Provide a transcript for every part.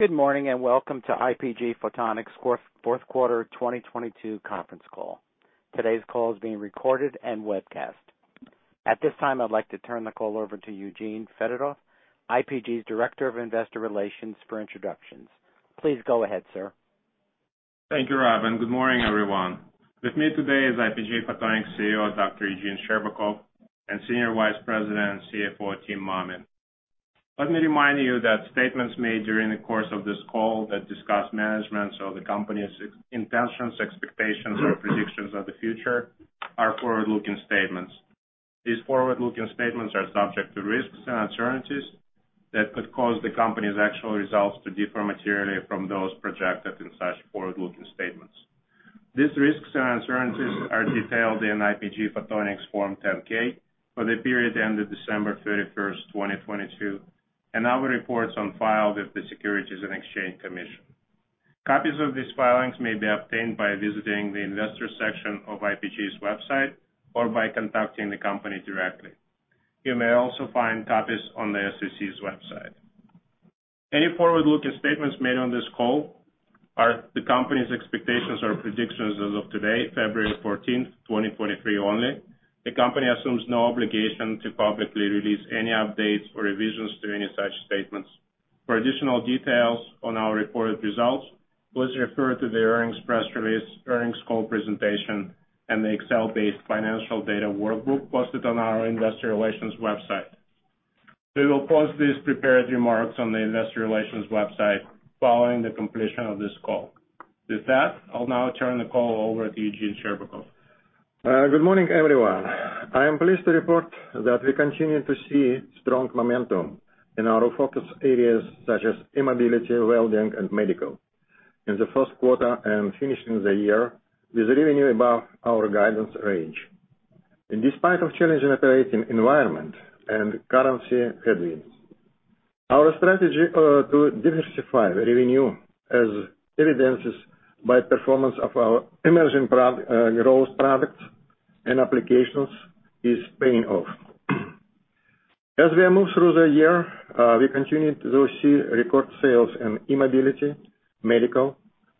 Good morning, welcome to IPG Photonics Fourth Quarter 2022 Conference Call. Today's call is being recorded and webcast. At this time, I'd like to turn the call over to Eugene Fedotoff, IPG's Director of Investor Relations for introductions. Please go ahead, sir. Thank you, Rob, and good morning, everyone. With me today is IPG Photonics CEO, Dr. Eugene Scherbakov, and Senior Vice President and CFO, Tim Mammen. Let me remind you that statements made during the course of this call that discuss management's or the company's intentions, expectations, or predictions of the future are forward-looking statements. These forward-looking statements are subject to risks and uncertainties that could cause the company's actual results to differ materially from those projected in such forward-looking statements. These risks and uncertainties are detailed in IPG Photonics Form 10-K for the period ended December 31st, 2022, and our reports on file with the Securities and Exchange Commission. Copies of these filings may be obtained by visiting the investors section of IPG's website or by contacting the company directly. You may also find copies on the SEC's website. Any forward-looking statements made on this call are the company's expectations or predictions as of today, February 14th, 2023 only. The company assumes no obligation to publicly release any updates or revisions to any such statements. For additional details on our reported results, please refer to the earnings press release, earnings call presentation, and the Excel-based financial data workbook posted on our investor relations website. We will post these prepared remarks on the investor relations website following the completion of this call. With that, I'll now turn the call over to Eugene Scherbakov. Good morning, everyone. I am pleased to report that we continue to see strong momentum in our focus areas such as e-mobility, welding, and medical. In the first quarter and finishing the year with revenue above our guidance range. Despite of challenging operating environment and currency headwinds, our strategy to diversify revenue as evidenced by performance of our emerging growth products and applications is paying off. As we move through the year, we continued to see record sales in e-mobility, medical,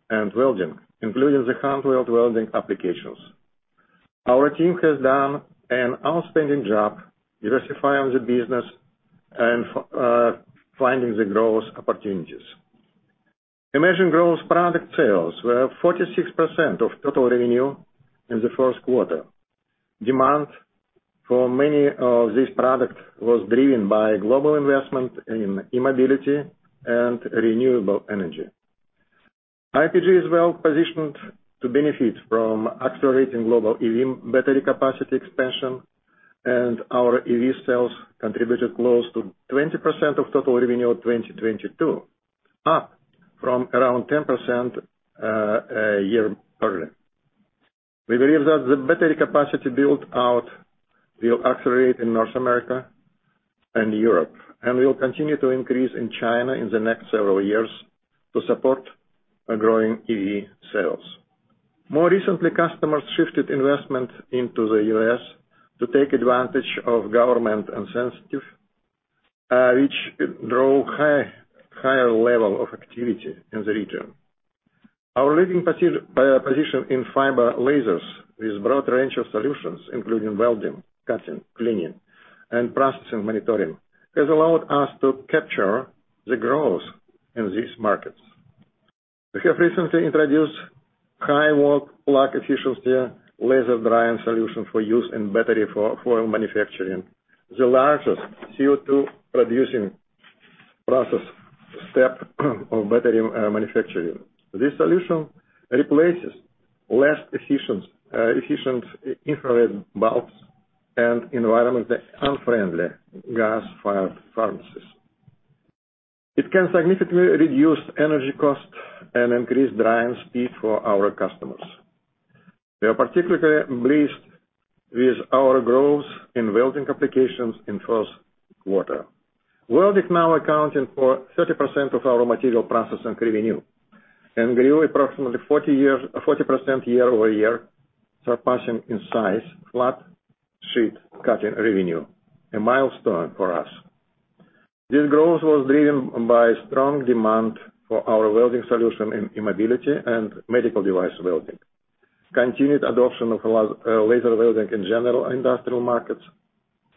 and welding, including the hand-weld welding applications. Our team has done an outstanding job diversifying the business and finding the growth opportunities. Emerging growth product sales were 46% of total revenue in the first quarter. Demand for many of these products was driven by global investment in e-mobility and renewable energy. IPG is well positioned to benefit from accelerating global EV battery capacity expansion, and our EV sales contributed close to 20% of total revenue in 2022, up from around 10% a year earlier. We believe that the battery capacity build out will accelerate in North America and Europe, and will continue to increase in China in the next several years to support a growing EV sales. More recently, customers shifted investment into the U.S. to take advantage of government incentives, which draw higher level of activity in the region. Our leading position in fiber lasers with broad range of solutions, including welding, cutting, cleaning, and process monitoring, has allowed us to capture the growth in these markets. We have recently introduced high watt block efficiency laser drying solution for use in battery foil manufacturing, the largest CO2 producing process step of battery manufacturing. This solution replaces less efficient infrared bulbs and environment unfriendly gas-fired furnaces. It can significantly reduce energy costs and increase drying speed for our customers. We are particularly pleased with our growth in welding applications in first quarter. Welding now accounting for 30% of our material processing revenue and grew approximately 40% year-over-year, surpassing in size flat sheet cutting revenue, a milestone for us. This growth was driven by strong demand for our welding solution in e-mobility and medical device welding. Continued adoption of laser welding in general industrial markets,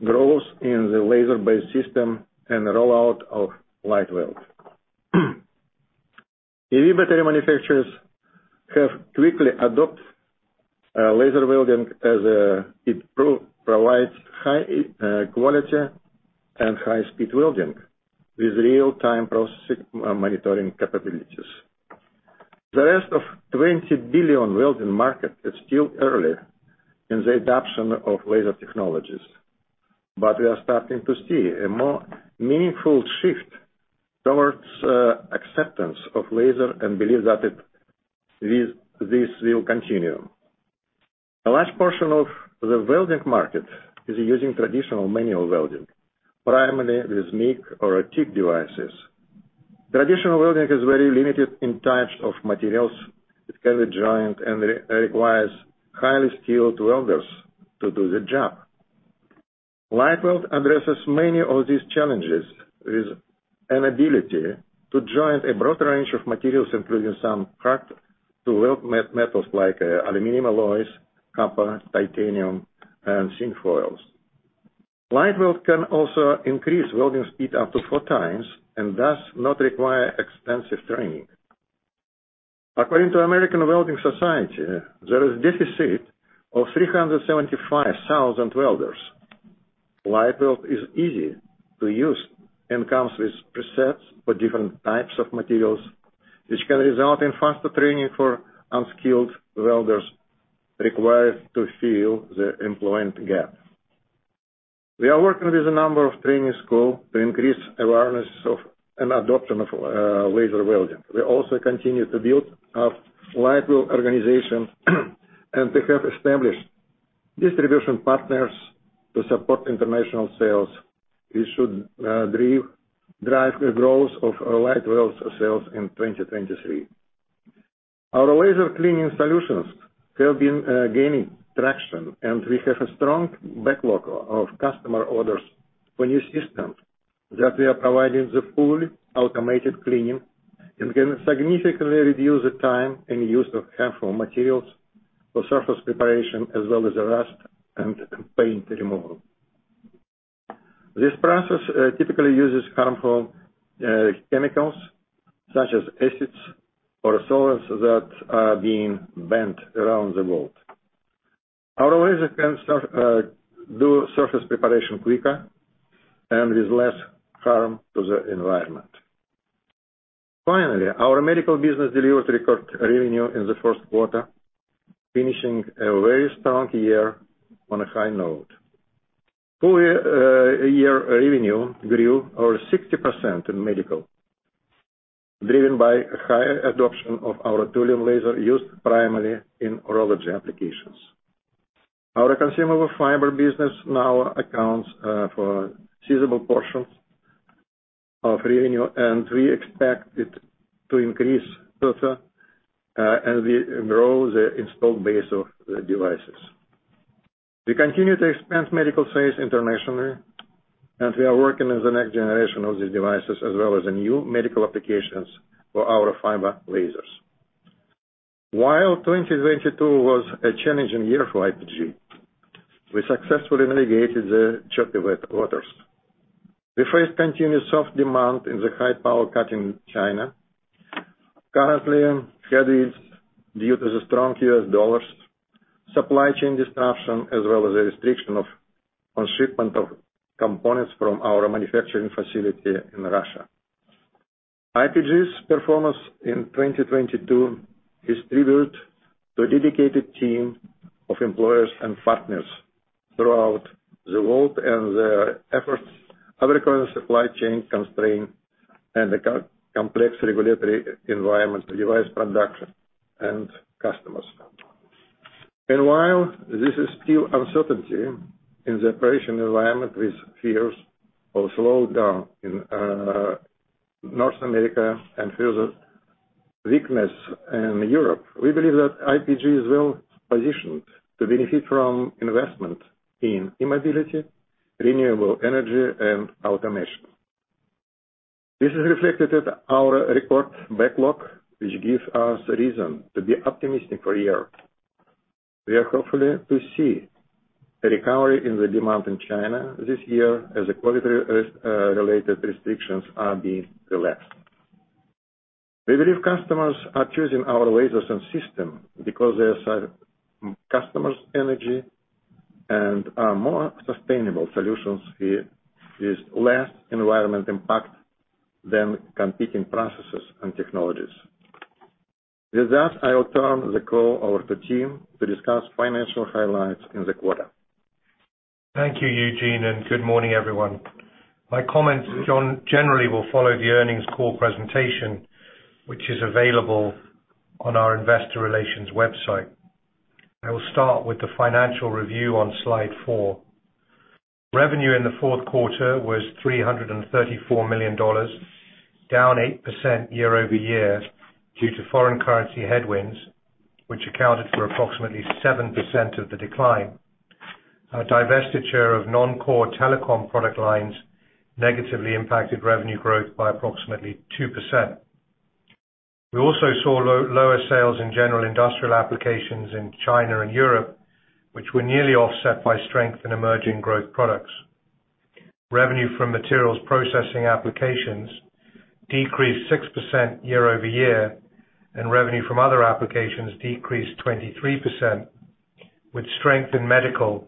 growth in the laser-based system, and the rollout of LightWELD. EV battery manufacturers have quickly adopt laser welding as it provides high quality and high-speed welding with real-time processing monitoring capabilities. The rest of $20 billion welding market is still early in the adoption of laser technologies, but we are starting to see a more meaningful shift towards acceptance of laser and believe that this will continue. The last portion of the welding market is using traditional manual welding, primarily with MIG or TIG devices. Traditional welding is very limited in types of materials it can be joined and requires highly skilled welders to do the job. LightWELD addresses many of these challenges with an ability to join a broad range of materials, including some hard to weld metals like aluminum alloys, copper, titanium, and zinc foils. LightWELD can also increase welding speed up to 4x and does not require extensive training. According to American Welding Society, there is deficit of 375,000 welders. LightWELD is easy to use and comes with presets for different types of materials, which can result in faster training for unskilled welders required to fill the employment gap. We are working with a number of training school to increase awareness of and adoption of laser welding. We also continue to build our LightWELD organization, and we have established distribution partners to support international sales. This should drive the growth of our LightWELD sales in 2023. Our laser cleaning solutions have been gaining traction, and we have a strong backlog of customer orders for new systems, that we are providing the fully automated cleaning and can significantly reduce the time and use of harmful materials for surface preparation, as well as rust and paint removal. This process typically uses harmful chemicals such as acids or solvents that are being banned around the world. Our laser can do surface preparation quicker and with less harm to the environment. Finally, our medical business delivered record revenue in the first quarter, finishing a very strong year on a high note. Full year revenue grew over 60% in medical, driven by higher adoption of our thulium laser used primarily in urology applications. Our consumable fiber business now accounts for a sizable portion of revenue, and we expect it to increase further as we grow the installed base of the devices. We continue to expand medical sales internationally, and we are working on the next generation of these devices, as well as the new medical applications for our fiber lasers. While 2022 was a challenging year for IPG, we successfully navigated the choppy waters. We faced continued soft demand in the high power cut in China. Currently, headwinds due to the strong U.S. dollars, supply chain disruption, as well as a restriction on shipment of components from our manufacturing facility in Russia. IPG's performance in 2022 is tribute to a dedicated team of employers and partners throughout the world, and their efforts have recorded supply chain constraint and the complex regulatory environment for device production and customers. While there is still uncertainty in the operation environment with fears of slowdown in North America and further weakness in Europe, we believe that IPG is well positioned to benefit from investment in e-mobility, renewable energy, and automation. This is reflected at our record backlog, which gives us reason to be optimistic for Europe. We are hopeful to see a recovery in the demand in China this year as the COVID related restrictions are being relaxed. We believe customers are choosing our lasers and system because they save customers energy and are more sustainable solutions with less environment impact than competing processes and technologies. With that, I will turn the call over to Tim to discuss financial highlights in the quarter. Thank you, Eugene. Good morning, everyone. My comments generally will follow the earnings call presentation, which is available on our investor relations website. I will start with the financial review on Slide four. Revenue in the fourth quarter was $334 million, down 8% year-over-year due to foreign currency headwinds, which accounted for approximately 7% of the decline. Our divestiture of non-core telecom product lines negatively impacted revenue growth by approximately 2%. We also saw lower sales in general industrial applications in China and Europe, which were nearly offset by strength in emerging growth products. Revenue from materials processing applications decreased 6% year-over-year. Revenue from other applications decreased 23%, with strength in medical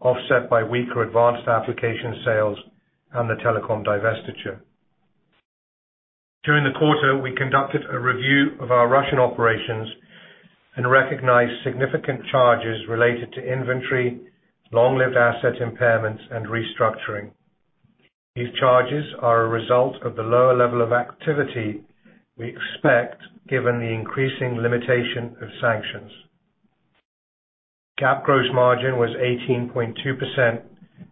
offset by weaker advanced application sales and the telecom divestiture. During the quarter, we conducted a review of our Russian operations and recognized significant charges related to inventory, long-lived asset impairments, and restructuring. These charges are a result of the lower level of activity we expect given the increasing limitation of sanctions. GAAP gross margin was 18.2%,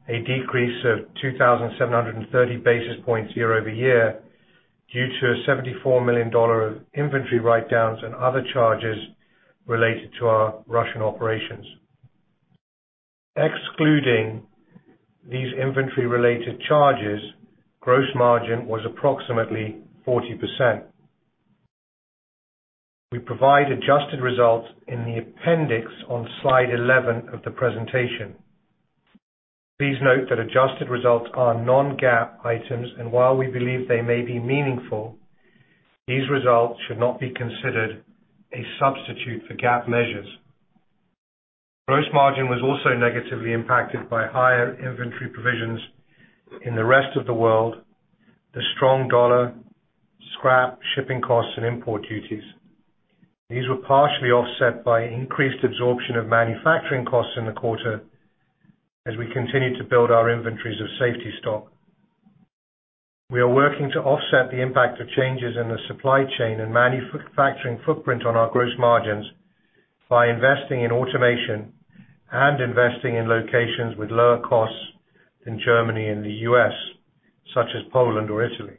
a decrease of 2,730 basis points year-over-year due to a $74 million of inventory write-downs and other charges related to our Russian operations. Excluding these inventory related charges, gross margin was approximately 40%. We provide adjusted results in the appendix on Slide 11 of the presentation. Please note that adjusted results are non-GAAP items, and while we believe they may be meaningful, these results should not be considered a substitute for GAAP measures. Gross margin was also negatively impacted by higher inventory provisions in the rest of the world, the strong dollar, scrap shipping costs and import duties. These were partially offset by increased absorption of manufacturing costs in the quarter as we continued to build our inventories of safety stock. We are working to offset the impact of changes in the supply chain and manufacturing footprint on our gross margins by investing in automation and investing in locations with lower costs than Germany and the U.S., such as Poland or Italy.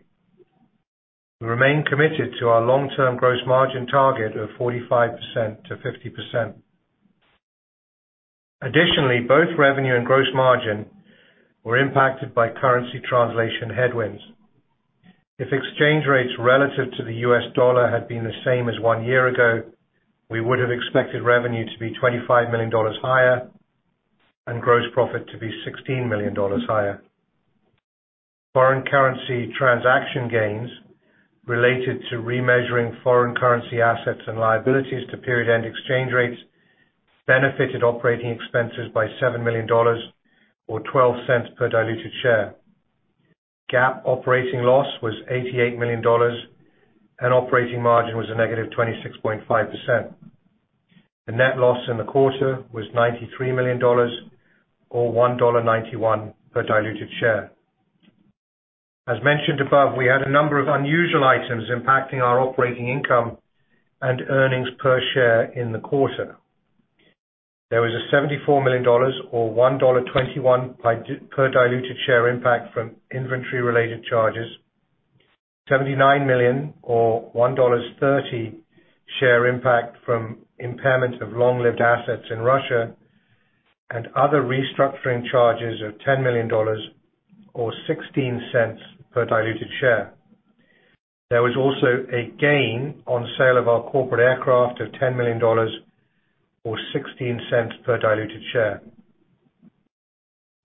We remain committed to our long-term gross margin target of 45%-50%. Additionally, both revenue and gross margin were impacted by currency translation headwinds. If exchange rates relative to the U.S. dollar had been the same as one year ago, we would have expected revenue to be $25 million higher and gross profit to be $16 million higher. Foreign currency transaction gains related to remeasuring foreign currency assets and liabilities to period-end exchange rates benefited operating expenses by $7 million or $0.12 per diluted share. GAAP operating loss was $88 million, and operating margin was a -26.5%. The net loss in the quarter was $93 million or $1.91 per diluted share. As mentioned above, we had a number of unusual items impacting our operating income and earnings per share in the quarter. There was a $74 million or $1.21 per diluted share impact from inventory related charges. $79 million or $1.30 share impact from impairment of long-lived assets in Russia and other restructuring charges of $10 million or $0.16 per diluted share. There was also a gain on sale of our corporate aircraft of $10 million or $0.16 per diluted share.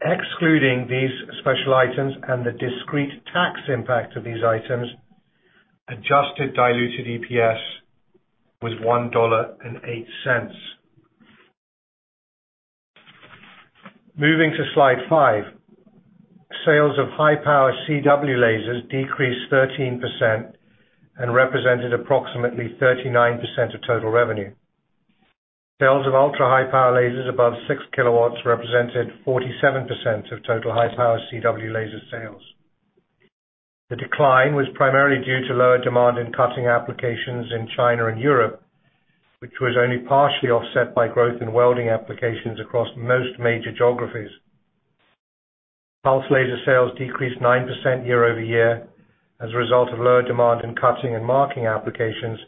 Excluding these special items and the discrete tax impact of these items, adjusted diluted EPS was $1.08. Moving to Slide five. Sales of high-power CW lasers decreased 13% and represented approximately 39% of total revenue. Sales of ultra-high power lasers above 6 kW represented 47% of total high-power CW laser sales. The decline was primarily due to lower demand in cutting applications in China and Europe, which was only partially offset by growth in welding applications across most major geographies. Pulse laser sales decreased 9% year-over-year as a result of lower demand in cutting and marking applications,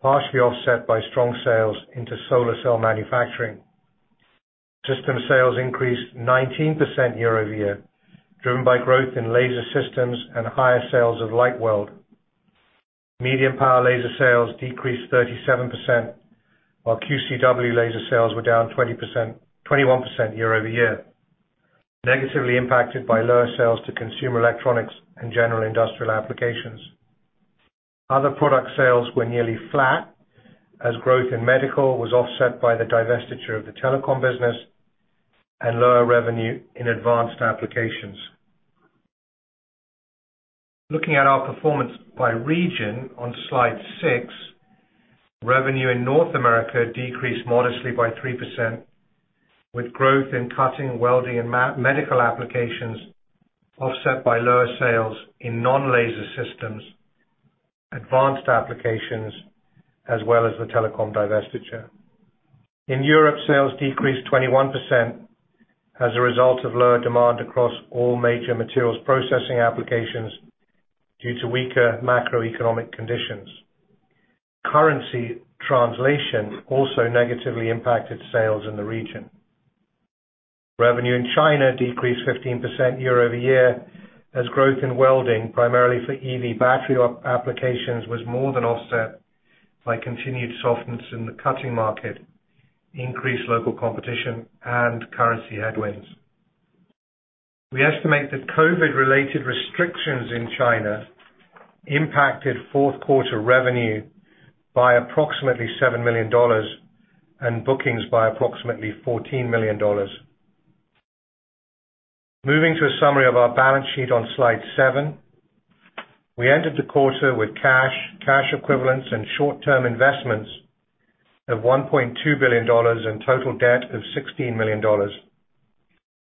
partially offset by strong sales into solar cell manufacturing. System sales increased 19% year-over-year, driven by growth in laser systems and higher sales of LightWELD. Medium power laser sales decreased 37%, while QCW laser sales were down 21% year-over-year, negatively impacted by lower sales to consumer electronics and general industrial applications. Other product sales were nearly flat as growth in medical was offset by the divestiture of the telecom business and lower revenue in advanced applications. Looking at our performance by region on Slide six, revenue in North America decreased modestly by 3% with growth in cutting, welding and medical applications offset by lower sales in non-laser systems, advanced applications as well as the telecom divestiture. In Europe, sales decreased 21% as a result of lower demand across all major materials processing applications due to weaker macroeconomic conditions. Currency translation also negatively impacted sales in the region. Revenue in China decreased 15% year-over-year as growth in welding, primarily for EV battery applications, was more than offset by continued softness in the cutting market, increased local competition and currency headwinds. We estimate that COVID-related restrictions in China impacted fourth quarter revenue by approximately $7 million and bookings by approximately $14 million. Moving to a summary of our balance sheet on Slide seven. We entered the quarter with cash equivalents and short-term investments of $1.2 billion and total debt of $16 million.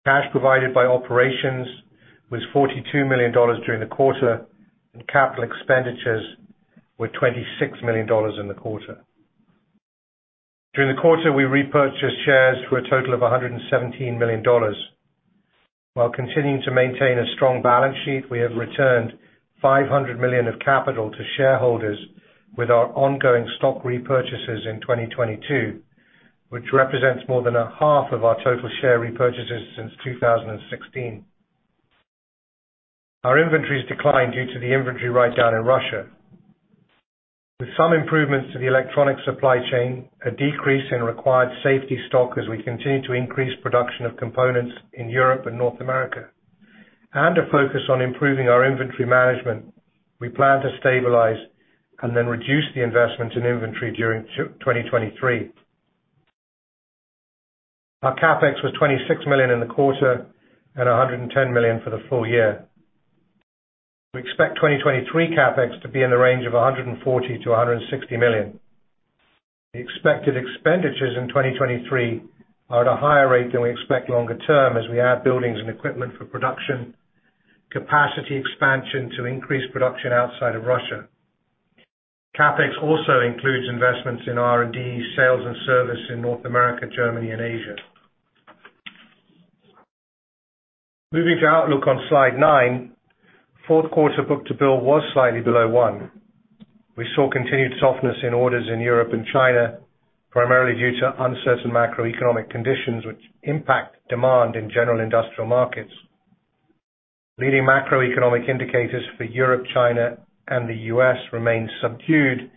Cash provided by operations was $42 million during the quarter and CapEx were $26 million in the quarter. During the quarter, we repurchased shares for a total of $117 million. While continuing to maintain a strong balance sheet, we have returned $500 million of capital to shareholders with our ongoing stock repurchases in 2022, which represents more than 1/2 of our total share repurchases since 2016. Our inventories declined due to the inventory write-down in Russia. With some improvements to the electronic supply chain, a decrease in required safety stock as we continue to increase production of components in Europe and North America, and a focus on improving our inventory management, we plan to stabilize and then reduce the investment in inventory during 2023. Our CapEx was $26 million in the quarter and $110 million for the full year. We expect 2023 CapEx to be in the range of $140 million-$160 million. The expected expenditures in 2023 are at a higher rate than we expect longer term as we add buildings and equipment for production, capacity expansion to increase production outside of Russia. CapEx also includes investments in R&D, sales and service in North America, Germany and Asia. Moving to outlook on Slide nine. Fourth quarter book-to-bill was slightly below one. We saw continued softness in orders in Europe and China, primarily due to uncertain macroeconomic conditions which impact demand in general industrial markets. Leading macroeconomic indicators for Europe, China, and the U.S. remain subdued,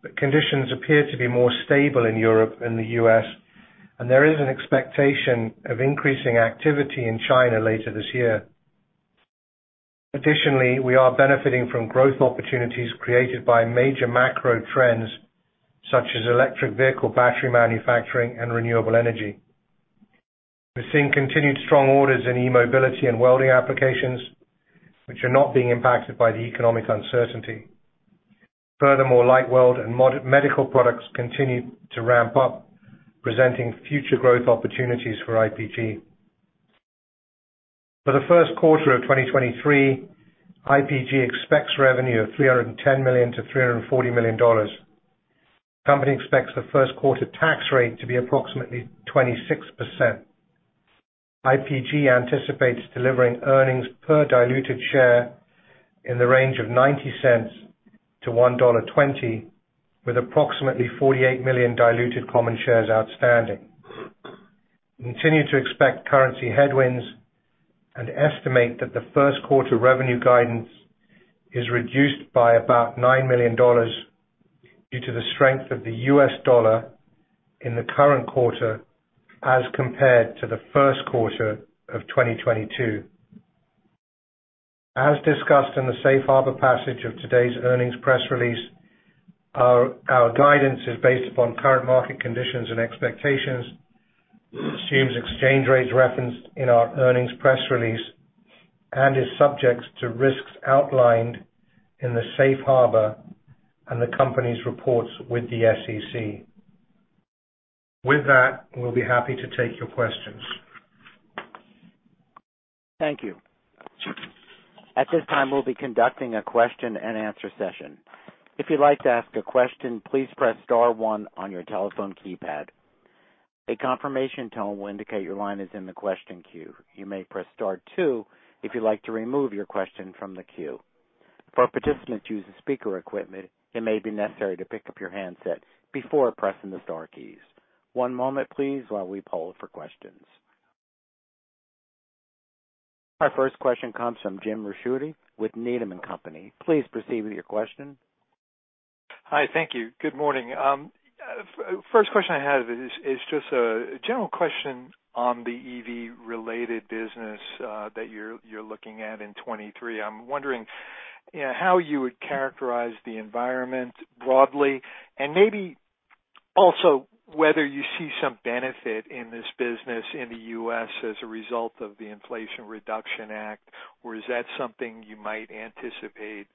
but conditions appear to be more stable in Europe and the U.S., and there is an expectation of increasing activity in China later this year. Additionally, we are benefiting from growth opportunities created by major macro trends such as electric vehicle battery manufacturing and renewable energy. We're seeing continued strong orders in e-mobility and welding applications, which are not being impacted by the economic uncertainty. Furthermore, LightWELD and medical products continue to ramp up, presenting future growth opportunities for IPG. For the first quarter of 2023, IPG expects revenue of $310 million-$340 million. Company expects the first quarter tax rate to be approximately 26%. IPG anticipates delivering earnings per diluted share in the range of $0.90-$1.20, with approximately 48 million diluted common shares outstanding. We continue to expect currency headwinds and estimate that the first quarter revenue guidance is reduced by about $9 million due to the strength of the U.S. dollar in the current quarter as compared to the first quarter of 2022. As discussed in the Safe Harbor passage of today's earnings press release, our guidance is based upon current market conditions and expectations, assumes exchange rates referenced in our earnings press release, and is subject to risks outlined in the Safe Harbor and the company's reports with the SEC. With that, we'll be happy to take your questions. Thank you. At this time, we'll be conducting a question and answer session. If you'd like to ask a question, please press star one on your telephone keypad. A confirmation tone will indicate your line is in the question queue. You may press star two if you'd like to remove your question from the queue. For participants using speaker equipment, it may be necessary to pick up your handset before pressing the star keys. One moment please while we poll for questions. Our first question comes from Jim Ricchiuti with Needham & Company. Please proceed with your question. Hi. Thank you. Good morning. First question I have is just a general question on the EV related business that you're looking at in 2023. I'm wondering, you know, how you would characterize the environment broadly and maybe also whether you see some benefit in this business in the U.S. as a result of the Inflation Reduction Act, or is that something you might anticipate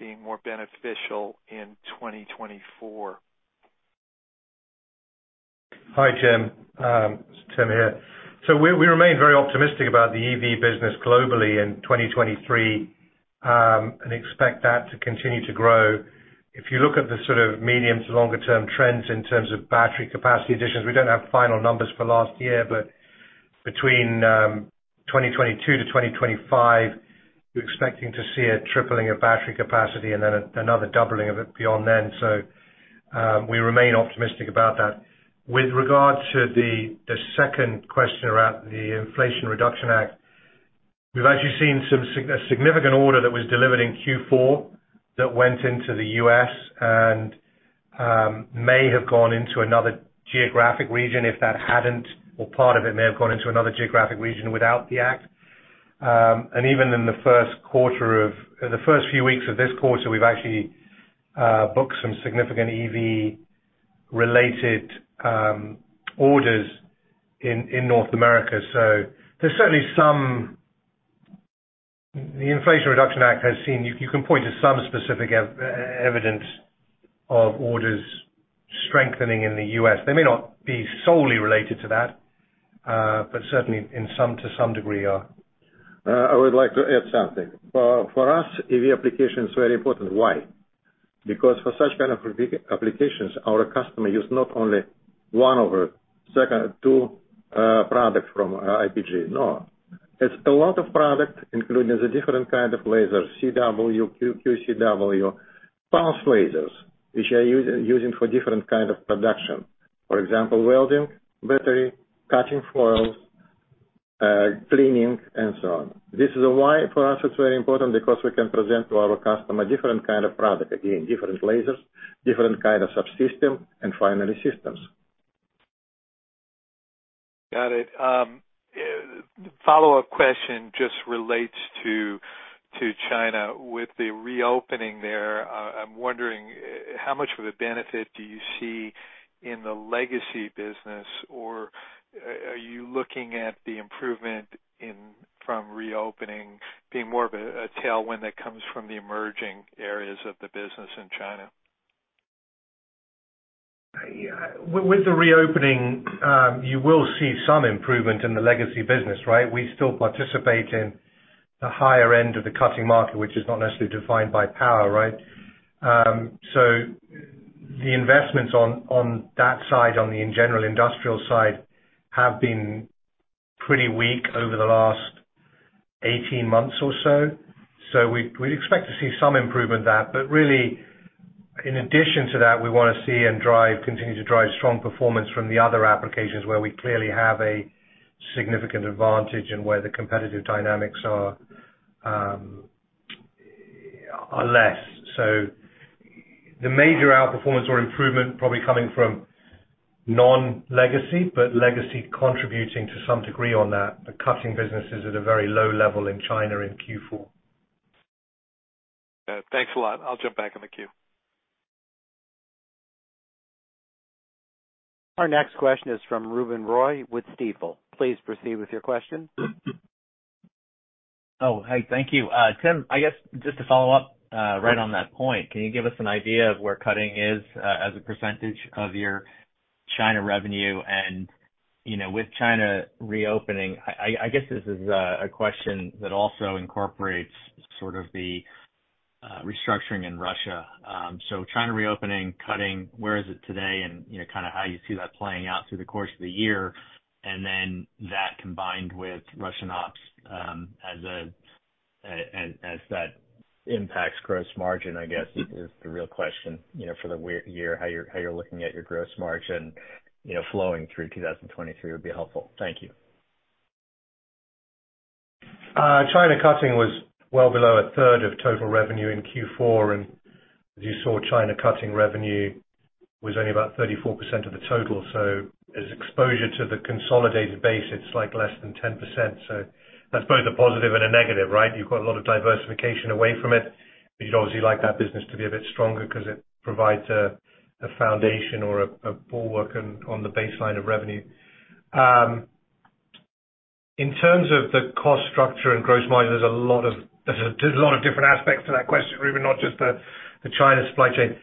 being more beneficial in 2024? Hi, Jim. It's Tim here. We remain very optimistic about the EV business globally in 2023 and expect that to continue to grow. If you look at the sort of medium to longer term trends in terms of battery capacity additions, we don't have final numbers for last year, but between 2022 to 2025, we're expecting to see a tripling of battery capacity and then another doubling of it beyond then. We remain optimistic about that. With regard to the second question around the Inflation Reduction Act, we've actually seen a significant order that was delivered in Q4 that went into the U.S. and may have gone into another geographic region if that hadn't, or part of it may have gone into another geographic region without the act. Even in the first few weeks of this quarter, we've actually booked some significant EV related orders in North America. There's certainly some. The Inflation Reduction Act has seen you can point to some specific evidence of orders strengthening in the U.S. They may not be solely related to that, but certainly in some, to some degree are. I would like to add something. For us, EV application is very important. Why? Because for such kind of applications, our customer use not only one or second or two product from IPG. No. It's a lot of product, including the different kind of laser CW, QCW, pulse lasers, which are using for different kind of production. For example, welding, battery, cutting foils, cleaning and so on. This is why for us it's very important because we can present to our customer different kind of product. Again, different lasers, different kind of subsystem, and finally systems. Got it. Follow-up question just relates to China. With the reopening there, I'm wondering how much of a benefit do you see in the legacy business, or are you looking at the improvement from reopening being more of a tailwind that comes from the emerging areas of the business in China? With the reopening, you will see some improvement in the legacy business, right? We still participate in the higher end of the cutting market, which is not necessarily defined by power, right? The investments on that side, on the general industrial side, have been pretty weak over the last 18 months or so. We expect to see some improvement there. Really, in addition to that, we wanna see and drive, continue to drive strong performance from the other applications where we clearly have a significant advantage and where the competitive dynamics are less. The major outperformance or improvement probably coming from non-legacy, but legacy contributing to some degree on that. The cutting business is at a very low level in China in Q4. Thanks a lot. I'll jump back in the queue. Our next question is from Ruben Roy with Stifel. Please proceed with your question. Oh, hi. Thank you. Tim, I guess just to follow up, right on that point, can you give us an idea of where cutting is as a percentage of your China revenue? You know, with China reopening, I guess this is a question that also incorporates sort of the restructuring in Russia. China reopening, cutting, where is it today and, you know, kind of how you see that playing out through the course of the year. That combined with Russian ops as that impacts gross margin, I guess is the real question. You know, for the year, how you're looking at your gross margin, you know, flowing through 2023 would be helpful. Thank you. China cutting was well below 1/3 of total revenue in Q4. As you saw, China cutting revenue was only about 34% of the total. As exposure to the consolidated base, it's like less than 10%. That's both a positive and a negative, right? You've got a lot of diversification away from it, you'd obviously like that business to be a bit stronger because it provides a foundation or a bulwark on the baseline of revenue. In terms of the cost structure and gross margin, there's a lot of different aspects to that question, Ruben,, not just the China supply chain.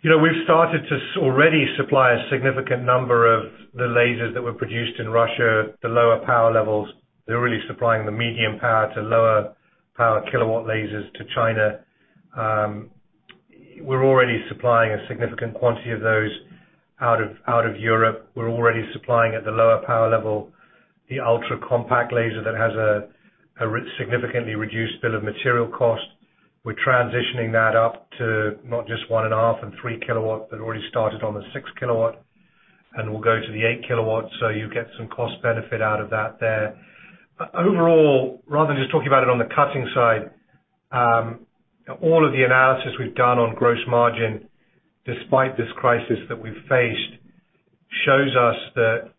You know, we've started to already supply a significant number of the lasers that were produced in Russia, the lower power levels. They're really supplying the medium power to lower power kilowatt lasers to China. We're already supplying a significant quantity of those out of, out of Europe. We're already supplying at the lower power level, the ultra-compact laser that has a significantly reduced bill of materials cost. We're transitioning that up to not just 1.5 kW and 3 kW, but already started on the 6 kW and we'll go to the 8 kW. You get some cost benefit out of that there. Overall, rather than just talking about it on the cutting side, all of the analysis we've done on gross margin, despite this crisis that we've faced, shows us that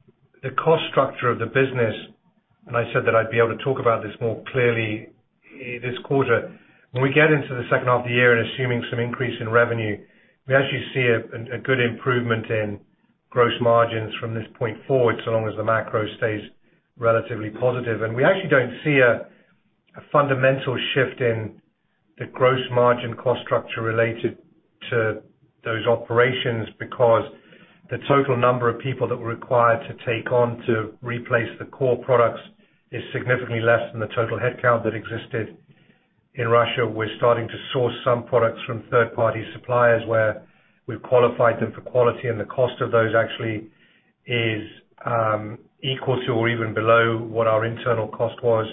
the cost structure of the business, and I said that I'd be able to talk about this more clearly this quarter. When we get into the second half of the year and assuming some increase in revenue, we actually see a good improvement in gross margins from this point forward, so long as the macro stays relatively positive. We actually don't see a fundamental shift in the gross margin cost structure related to those operations because the total number of people that we're required to take on to replace the core products is significantly less than the total headcount that existed in Russia. We're starting to source some products from third-party suppliers, where we've qualified them for quality, and the cost of those actually is equal to or even below what our internal cost was.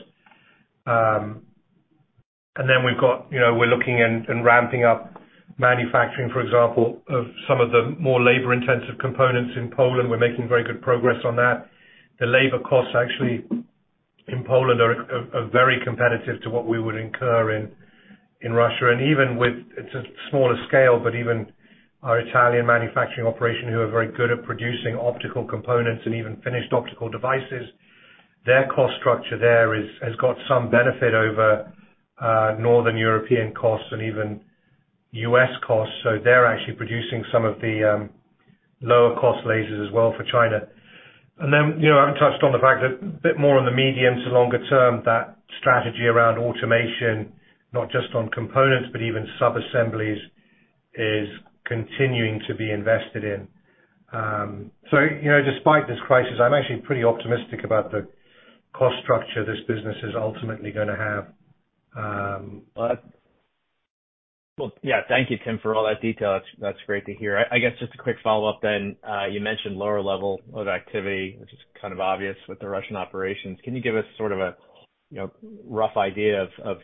Then we've got, you know, we're looking and ramping up manufacturing, for example, of some of the more labor-intensive components in Poland. We're making very good progress on that. The labor costs actually in Poland are very competitive to what we would incur in Russia. Even with, it's a smaller scale, but even our Italian manufacturing operation, who are very good at producing optical components and even finished optical devices, their cost structure there has got some benefit over northern European costs and even U.S. costs. They're actually producing some of the lower cost lasers as well for China. You know, I haven't touched on the fact that a bit more on the medium to longer term, that strategy around automation, not just on components, but even sub-assemblies, is continuing to be invested in. You know, despite this crisis, I'm actually pretty optimistic about the cost structure this business is ultimately gonna have. Well, yeah, thank you, Tim, for all that detail. That's great to hear. I guess just a quick follow-up then. You mentioned lower level of activity, which is kind of obvious with the Russian operations. Can you give us sort of a, you know, rough idea of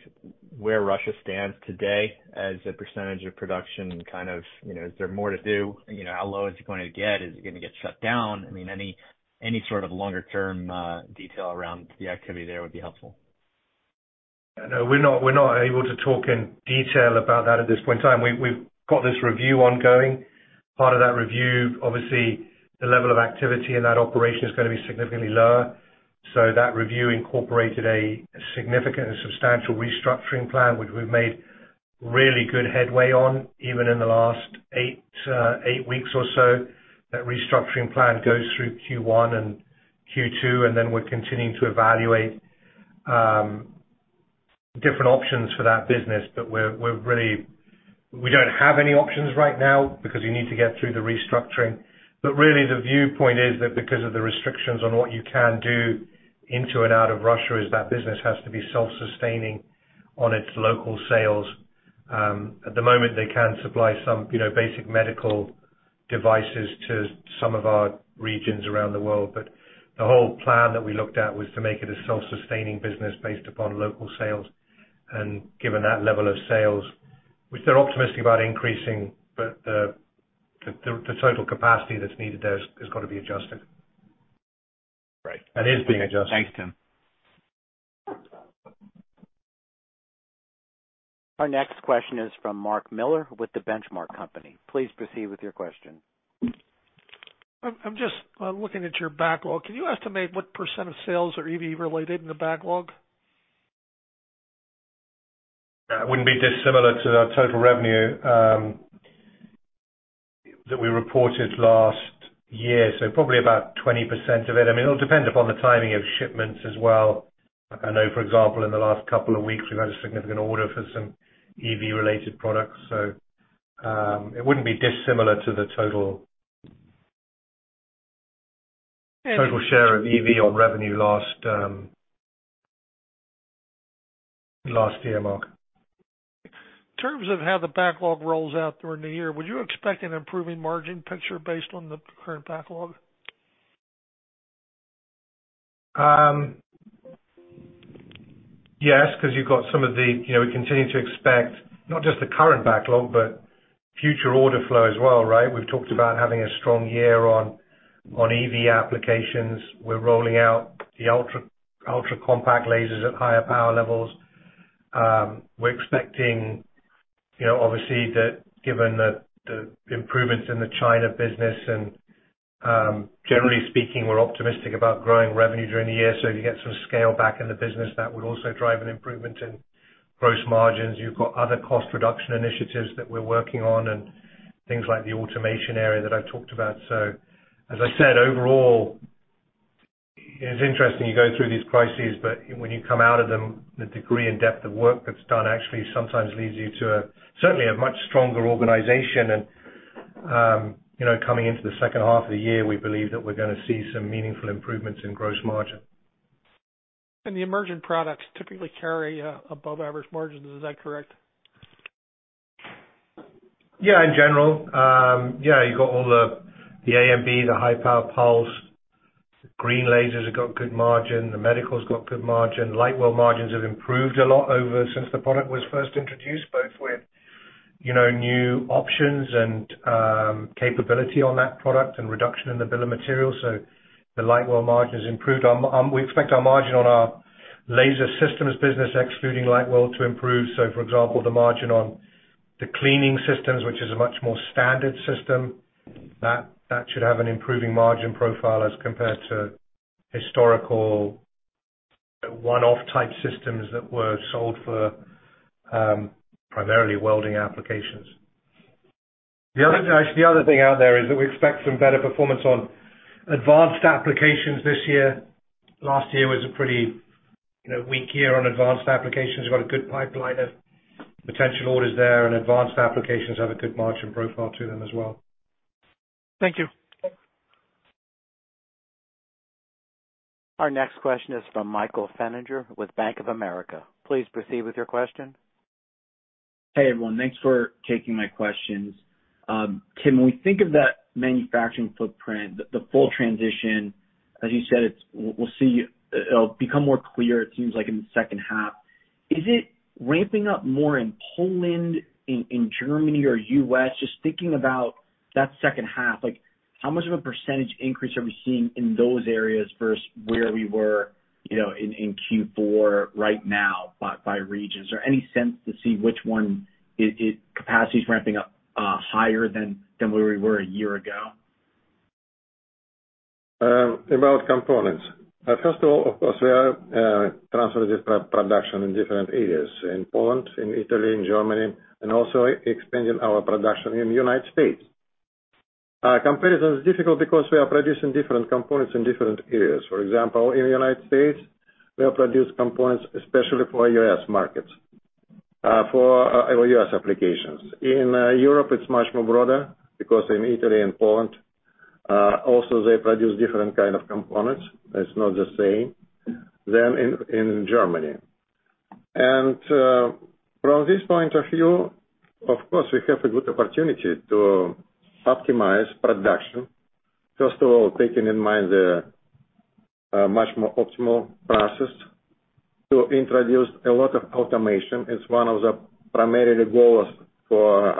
where Russia stands today as a percentage of production and kind of, you know, is there more to do? You know, how low is it going to get? Is it gonna get shut down? I mean, any sort of longer-term detail around the activity there would be helpful. No, we're not able to talk in detail about that at this point in time. We've got this review ongoing. Part of that review, obviously, the level of activity in that operation is gonna be significantly lower. That review incorporated a significant and substantial restructuring plan, which we've made really good headway on, even in the last eight weeks or so. That restructuring plan goes through Q1 and Q2. We're continuing to evaluate different options for that business. We're really, we don't have any options right now because you need to get through the restructuring. Really the viewpoint is that because of the restrictions on what you can do into and out of Russia, is that business has to be self-sustaining on its local sales. At the moment, they can supply some, you know, basic medical devices to some of our regions around the world. The whole plan that we looked at was to make it a self-sustaining business based upon local sales. Given that level of sales, which they're optimistic about increasing, the total capacity that's needed there has got to be adjusted. Right. Is being adjusted. Thanks, Tim. Our next question is from Mark Miller with The Benchmark Company. Please proceed with your question. I'm looking at your backlog. Can you estimate what percent of sales are EV related in the backlog? It wouldn't be dissimilar to our total revenue, that we reported last year, so probably about 20% of it. I mean, it'll depend upon the timing of shipments as well. I know, for example, in the last couple of weeks, we've had a significant order for some EV related products. It wouldn't be dissimilar to the total share of EV on revenue last year, Mark. In terms of how the backlog rolls out during the year, would you expect an improving margin picture based on the current backlog? Yes, 'cause you've got some of the, you know, we continue to expect not just the current backlog, but future order flow as well, right? We've talked about having a strong year on EV applications. We're rolling out the ultra-compact lasers at higher power levels. We're expecting, you know, obviously, that given the improvements in the China business and generally speaking, we're optimistic about growing revenue during the year. If you get some scale back in the business, that would also drive an improvement in gross margins. You've got other cost reduction initiatives that we're working on and things like the automation area that I've talked about. As I said, overall, it's interesting you go through these crises, but when you come out of them, the degree and depth of work that's done actually sometimes leads you to a, certainly a much stronger organization. You know, coming into the second half of the year, we believe that we're gonna see some meaningful improvements in gross margin. The emergent products typically carry, above average margins. Is that correct? Yeah, in general. Yeah, you got all the AMB, the high power pulse, green lasers have got good margin. The medical's got good margin. LightWELD margins have improved a lot since the product was first introduced, both with, you know, new options and capability on that product and reduction in the bill of materials. The LightWELD margin has improved. We expect our margin on our laser systems business, excluding LightWELD, to improve. For example, the margin on the cleaning systems, which is a much more standard system, that should have an improving margin profile as compared to historical one-off type systems that were sold for primarily welding applications. Actually, the other thing out there is that we expect some better performance on advanced applications this year. Last year was a pretty, you know, weak year on advanced applications. We've got a good pipeline of potential orders there and advanced applications have a good margin profile to them as well. Thank you. Our next question is from Michael Feniger with Bank of America. Please proceed with your question. Hey, everyone. Thanks for taking my questions. Tim, when we think of that manufacturing footprint, the full transition, as you said, it'll become more clear, it seems like in the second half. Is it ramping up more in Poland, in Germany or U.S.? Just thinking about that second half, like how much of a percentage increase are we seeing in those areas versus where we were, you know, in Q4 right now by region? Is there any sense to see which one is capacity is ramping up higher than where we were a year ago? About components. First of all, of course, we are transferring this production in different areas, in Poland, in Italy, in Germany, and also expanding our production in United States. Comparison is difficult because we are producing different components in different areas. For example, in the United States, we produce components especially for U.S. markets. for our U.S. applications. In Europe, it's much more broader because in Italy and Poland, also they produce different kind of components. It's not the same than in Germany. From this point of view, of course, we have a good opportunity to optimize production. First of all, taking in mind the much more optimal process to introduce a lot of automation. It's one of the primarily goals for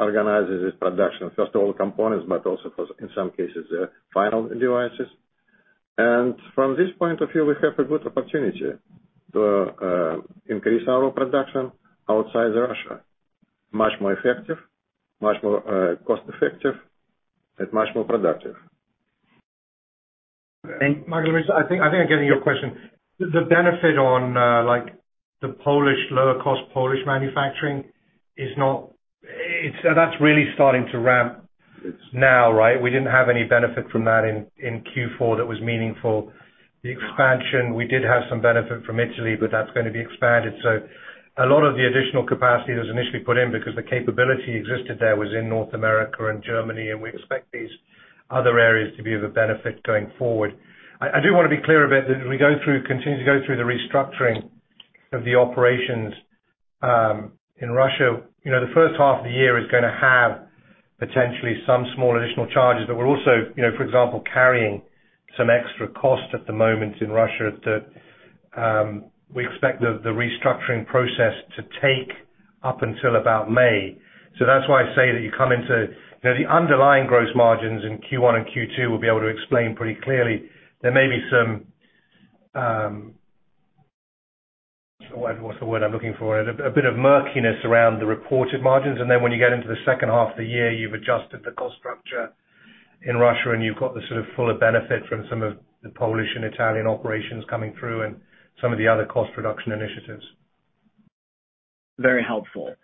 organizing this production. First of all, components, but also for some cases, the final devices. From this point of view, we have a good opportunity to increase our production outside Russia, much more effective, much more cost effective, and much more productive. Michael, I think I'm getting your question. The benefit on like the Polish, lower cost Polish manufacturing is not... That's really starting to ramp now, right? We didn't have any benefit from that in Q4 that was meaningful. The expansion, we did have some benefit from Italy, but that's gonna be expanded. A lot of the additional capacity that was initially put in because the capability existed there was in North America and Germany, and we expect these other areas to be of a benefit going forward. I do wanna be clear about that as we go through, continue to go through the restructuring of the operations in Russia. You know, the first half of the year is gonna have potentially some small additional charges. We're also, you know, for example, carrying some extra cost at the moment in Russia to, we expect the restructuring process to take up until about May. That's why I say that you come into, you know, the underlying gross margins in Q1 and Q2, we'll be able to explain pretty clearly. There may be some, what's the word I'm looking for? A bit of murkiness around the reported margins. When you get into the second half of the year, you've adjusted the cost structure in Russia, and you've got the sort of fuller benefit from some of the Polish and Italian operations coming through and some of the other cost reduction initiatives. Very helpful.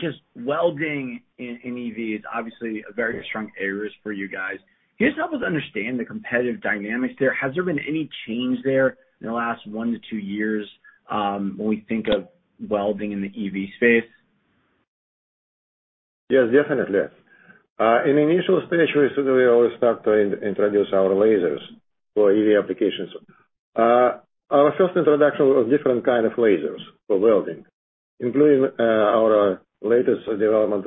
Just welding in EV is obviously a very strong areas for you guys. Can you just help us understand the competitive dynamics there? Has there been any change there in the last one to two years, when we think of welding in the EV space? Yes, definitely. In initial stage, we always start to introduce our lasers for EV applications. Our first introduction was different kind of lasers for welding, including our latest development,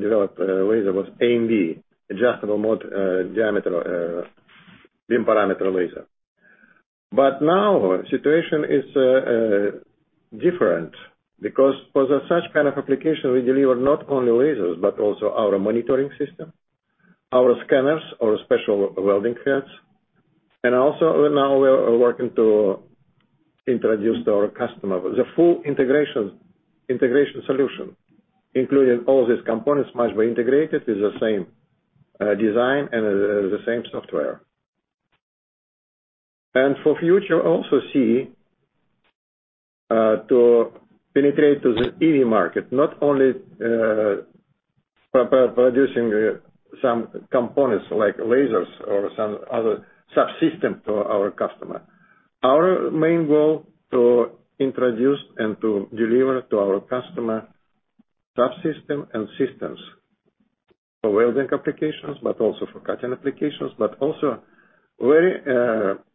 developed laser was AMB, adjustable mode diameter beam parameter laser. Now situation is different because for the such kind of application, we deliver not only lasers, but also our monitoring system, our scanners or special welding heads. Also, now we're working to introduce to our customer the full integration solution, including all these components much more integrated with the same design and the same software. For future also see to penetrate to the EV market, not only producing some components like lasers or some other subsystem to our customer. Our main goal to introduce and to deliver to our customer subsystem and systems for welding applications, but also for cutting applications, but also very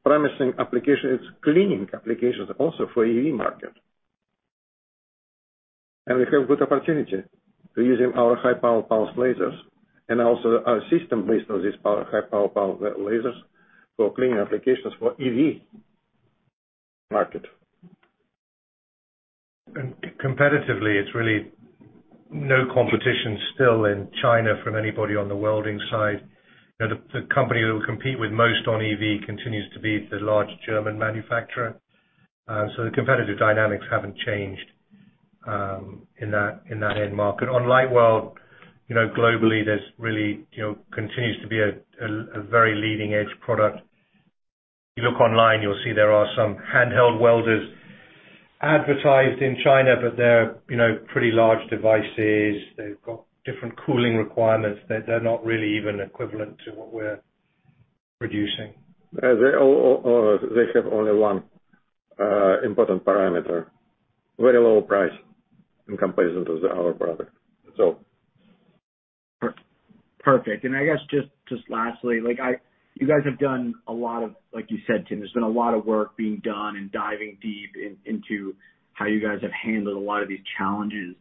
promising application is cleaning applications also for EV market. We have good opportunity to using our high power pulse lasers and also our system based on these power, high power pulse lasers for cleaning applications for EV market. Competitively, it's really no competition still in China from anybody on the welding side. You know, the company we will compete with most on EV continues to be the large German manufacturer. The competitive dynamics haven't changed in that end market. On LightWELD, you know, globally, there's really, you know, continues to be a very leading edge product. If you look online, you'll see there are some handheld welders advertised in China, but they're, you know, pretty large devices. They've got different cooling requirements. They're not really even equivalent to what we're producing. They have only one, important parameter, very low price in comparison to the our product. Perfect. I guess just lastly, You guys have done a lot of, like you said, Tim, there's been a lot of work being done and diving deep into how you guys have handled a lot of these challenges.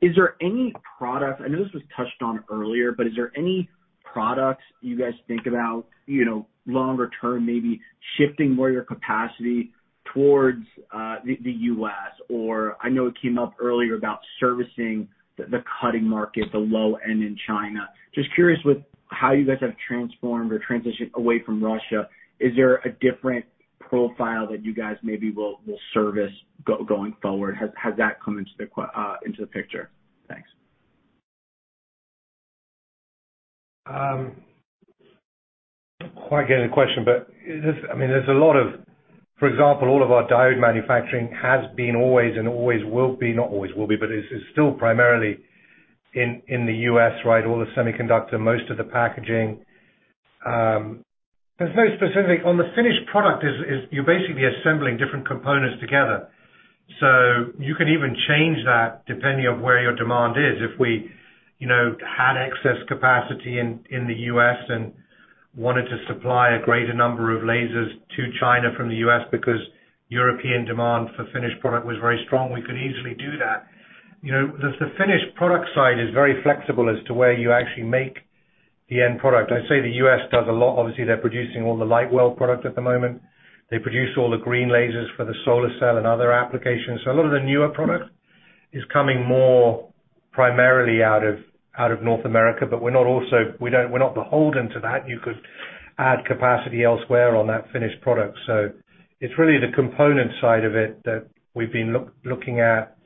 Is there any product, I know this was touched on earlier, but is there any products you guys think about, you know, longer term, maybe shifting more of your capacity towards the U.S.? I know it came up earlier about servicing the cutting market, the low end in China. Just curious with how you guys have transformed or transitioned away from Russia, is there a different profile that you guys maybe will service going forward? Has that come into the picture? Thanks. I mean, there's a lot of, for example, all of our diode manufacturing has been always and always will be, not always will be, but is still primarily in the U.S., right? All the semiconductor, most of the packaging. On the finished product, you're basically assembling different components together. You can even change that depending on where your demand is. If we, you know, had excess capacity in the U.S. and wanted to supply a greater number of lasers to China from the U.S. because European demand for finished product was very strong, we could easily do that. You know, the finished product side is very flexible as to where you actually make the end product. I'd say the U.S. does a lot. Obviously, they're producing all the LightWELD product at the moment. They produce all the green lasers for the solar cell and other applications. A lot of the newer product is coming more primarily out of, out of North America. We're not beholden to that. You could add capacity elsewhere on that finished product. It's really the component side of it that we've been looking at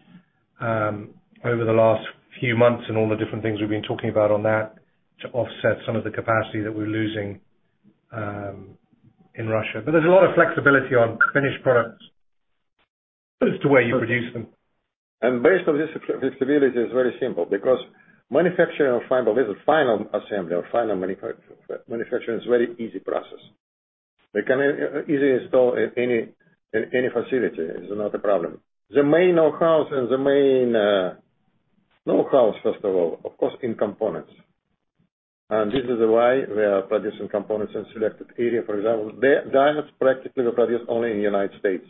over the last few months and all the different things we've been talking about on that to offset some of the capacity that we're losing in Russia. There's a lot of flexibility on finished products as to where you produce them. Based on this flexibility is very simple because manufacturing of fiber laser, final assembly or final manufacturing is very easy process. We can easily install at any facility. It's not a problem. The main know-how, first of all, of course, in components. This is why we are producing components in selected area. For example, the diodes practically we produce only in the United States.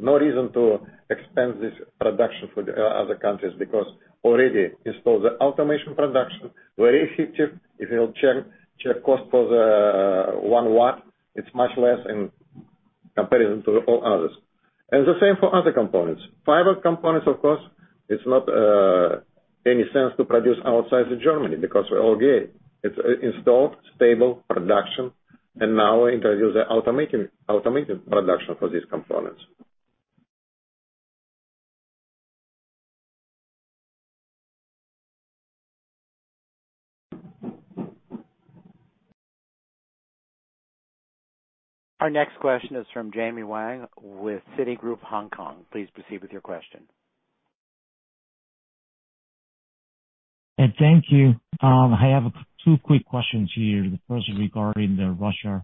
No reason to expand this production for other countries because already it's for the automation production, very effective. If you'll check cost for the one watt, it's much less in comparison to all others. The same for other components. Fiber components, of course, it's not any sense to produce outside of Germany because we're all good. It's installed stable production and now introduce the automated production for these components. Our next question is from Jamie Wang with Citigroup Hong Kong. Please proceed with your question. Thank you. I have two quick questions here. The first regarding the Russia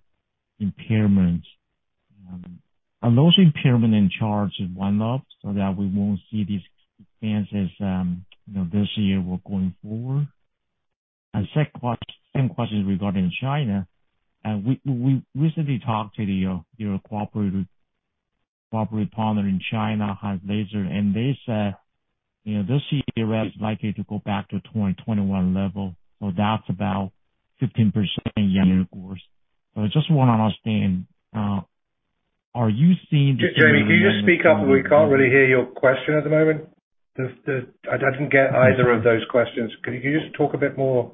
impairment. Are those impairment in charge of one-off so that we won't see these expenses, you know, this year or going forward? Second same question regarding China. We recently talked to the your cooperative partner in China, Han's Laser, and they said, you know, this year is likely to go back to 2021 level. That's about 15% year-over-year, of course. I just wanna understand, are you seeing the same- Jamie, can you just speak up? We can't really hear your question at the moment. I didn't get either of those questions. Could you just talk a bit more?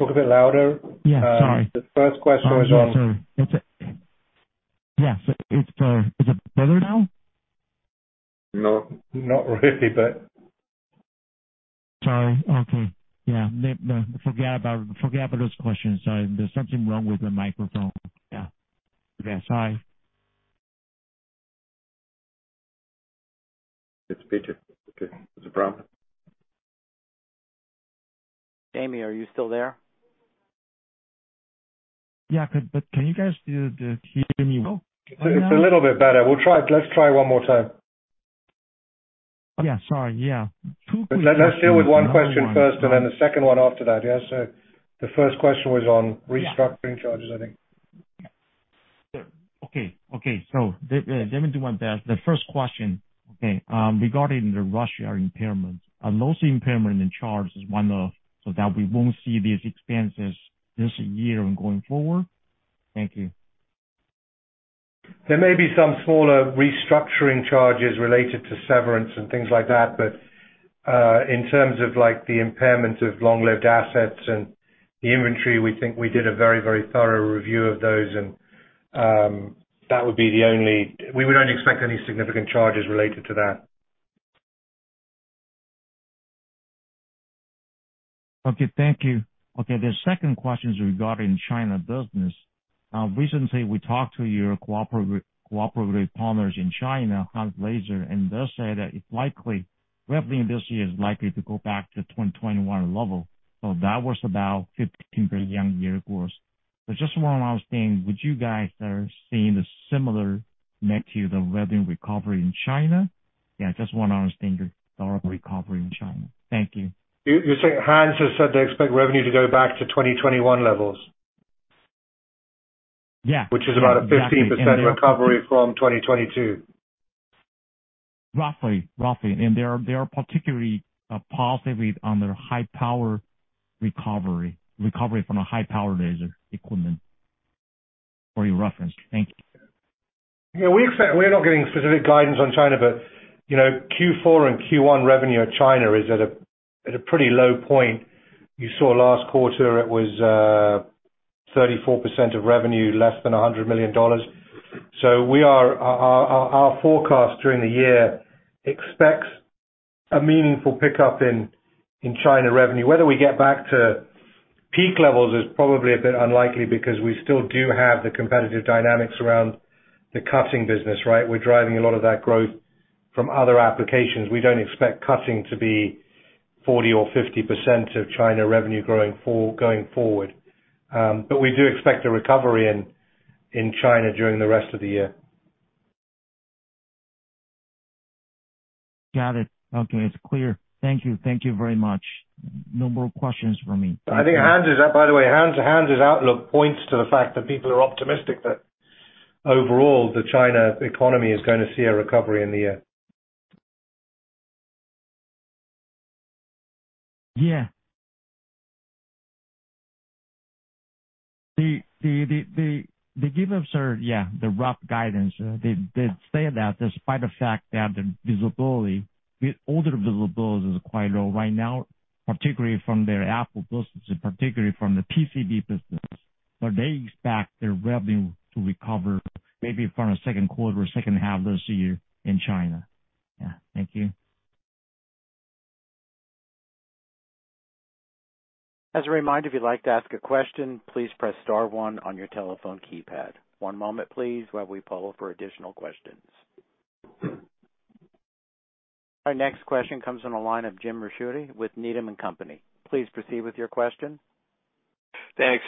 Talk a bit louder. Yeah. Sorry. The first question was. I'm sorry. Yes, it's... Is it better now? No, not really, but... Sorry. Okay. Yeah. Forget about those questions. There's something wrong with the microphone. Yeah. Yeah, sorry. It's featured. Okay. It's a problem. Jamie, are you still there? Yeah. Can you guys hear me now? It's a little bit better. We'll try it. Let's try one more time. Yeah. Sorry. Yeah. Two questions. Let's deal with one question first and then the second one after that. Yeah. The first question was on restructuring charges, I think. Yeah. Okay. Okay. Let me do my best. The first question regarding the Russia impairment. Are those impairment in charge is one-off so that we won't see these expenses this year and going forward? Thank you. There may be some smaller restructuring charges related to severance and things like that, but in terms of like the impairment of long-lived assets and the inventory, we think we did a very, very thorough review of those. We would only expect any significant charges related to that. Okay. Thank you. Okay, the second question is regarding China business. Recently we talked to your cooperative partners in China, Han's Laser, and they say that it's likely, revenue in this year is likely to go back to 2021 level. That was about 15% year-over-year of course. Just one last thing. Would you guys are seeing a similar net to the revenue recovery in China? Yeah, just wanna understand your thought of recovery in China. Thank you. You're saying Han's has said they expect revenue to go back to 2021 levels? Yeah. Which is about a 15% recovery from 2022. Roughly. They are particularly positive with under high power recovery from a high power laser equipment for your reference. Thank you. Yeah, we're not getting specific guidance on China, but, you know, Q4 and Q1 revenue at China is at a pretty low point. You saw last quarter, it was 34% of revenue, less than $100 million. Our forecast during the year expects a meaningful pickup in China revenue. Whether we get back to peak levels is probably a bit unlikely because we still do have the competitive dynamics around the cutting business, right? We're driving a lot of that growth from other applications, we don't expect cutting to be 40% or 50% of China revenue going forward. We do expect a recovery in China during the rest of the year. Got it. Okay. It's clear. Thank you. Thank you very much. No more questions for me. I think Han's is up, by the way, Han's outlook points to the fact that people are optimistic that overall the China economy is gonna see a recovery in the year. Yeah. The give ups are, yeah, the rough guidance. They say that despite the fact they have the visibility, the order visibility is quite low right now, particularly from their Apple business and particularly from the PCB business. They expect their revenue to recover maybe from the second quarter or second half of this year in China. Yeah. Thank you. As a reminder, if you'd like to ask a question, please press star one on your telephone keypad. One moment please, while we poll for additional questions. Our next question comes on the line of Jim Ricchiuti with Needham & Company. Please proceed with your question. Thanks.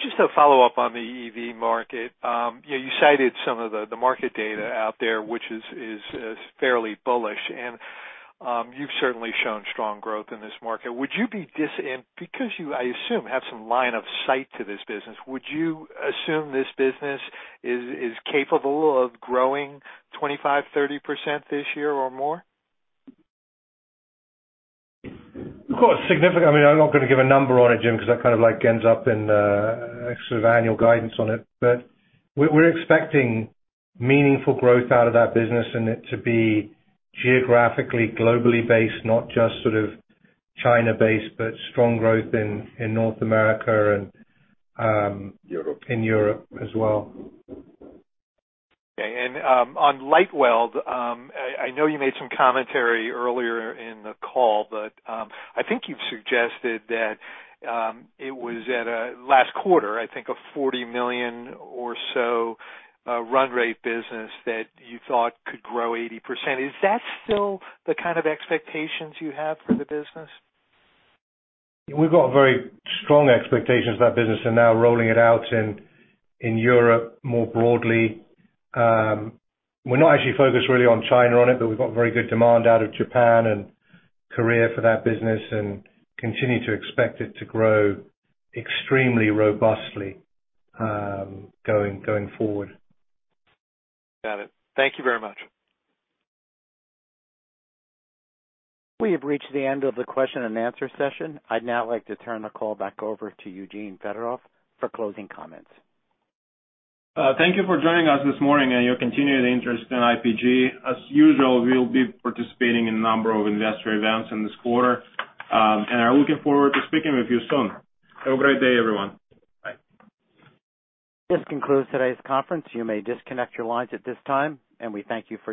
Just a follow-up on the EV market. You cited some of the market data out there, which is fairly bullish and, you've certainly shown strong growth in this market. Because you, I assume, have some line of sight to this business, would you assume this business is capable of growing 25%, 30% this year or more? Of course, significant. I mean, I'm not gonna give a number on it, Jim, 'cause that kind of like ends up in, sort of annual guidance on it. We're expecting meaningful growth out of that business and it to be geographically, globally based, not just sort of China-based, but strong growth in North America. Europe. In Europe as well. Okay. On LightWELD, I know you made some commentary earlier in the call, but I think you've suggested that it was at last quarter, I think, a $40 million or so run rate business that you thought could grow 80%. Is that still the kind of expectations you have for the business? We've got very strong expectations for that business and now rolling it out in Europe more broadly. We're not actually focused really on China on it, but we've got very good demand out of Japan and Korea for that business and continue to expect it to grow extremely robustly going forward. Got it. Thank you very much. We have reached the end of the question and answer session. I'd now like to turn the call back over to Eugene Fedotoff for closing comments. Thank you for joining us this morning and your continued interest in IPG. As usual, we'll be participating in a number of investor events in this quarter and are looking forward to speaking with you soon. Have a great day, everyone. Bye. This concludes today's conference. You may disconnect your lines at this time, and we thank you for your participation.